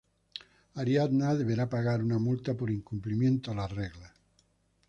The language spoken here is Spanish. Ariadna deberá pagar una multa por incumplimiento a las reglas.